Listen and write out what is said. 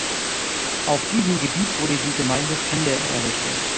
Auf diesem Gebiet wurde die Gemeinde Pender errichtet.